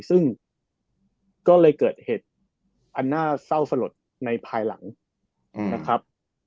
ซึ่งก็เลยเกิดเหตุอันน่าเศร้าสลดในภายหลังนะครับ